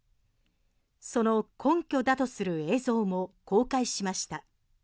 その根拠だとする映像も公開しました。